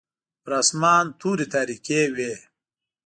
پر اسمان توري تاریکې وې.